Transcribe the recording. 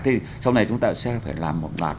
thì sau này chúng ta sẽ phải làm một loạt